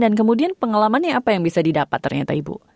dan kemudian pengalamannya apa yang bisa didapat ternyata ibu